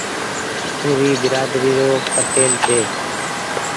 پوري بيرآدري رو پٽيل ڇي۔